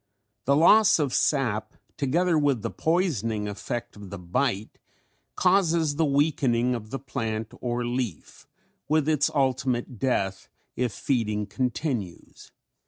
The loss of sap together with the poisoning effect of the bite causes the weakening of the plant or leaf with its ultimate death if feeding continues.